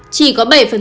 chỉ có bảy phần